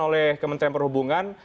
oleh kementerian perhubungan